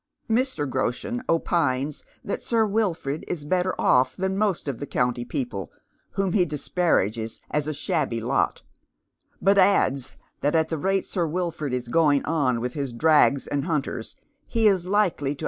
Mr. Groshen opines that Sir Wilfred is better off than most of the county people, whom he disparages as a shabby lot, but adds that at the rate Sir Wilford is goiiig on with his drags and bunteis lie is likely t«.